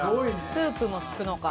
スープも付くのか。